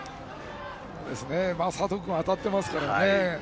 佐藤君は当たっていますからね。